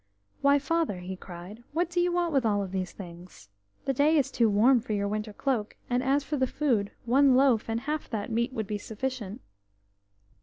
"Why, Father!" he cried, "what do you want with all these things? The day is too warm for your winter cloak, and as for the food, one loaf, and half that meat, would be sufficient."